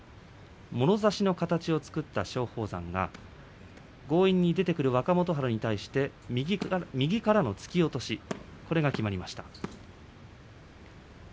もろ差しの形を作った松鳳山が強引に出てくる若元春に対して右からの突き落としこれが決まりました。